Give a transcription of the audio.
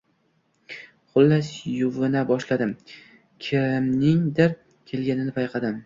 Xullas, yuvina boshladim. Kimningdir kelganini payqadim.